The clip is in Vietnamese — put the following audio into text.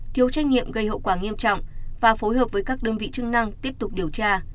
thiếu trách nhiệm gây hậu quả nghiêm trọng và phối hợp với các đơn vị chức năng tiếp tục điều tra